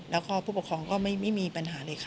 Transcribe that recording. แล้วก็ผู้ปกครองก็ไม่มีปัญหาเลยค่ะ